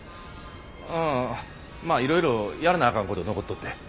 うんまあいろいろやらなあかんこと残っとって。